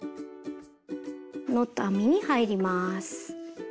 ノット編みに入ります。